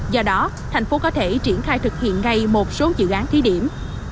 do đó thành phố có thể triển khai thực hiện ngay một số dự án thí điểm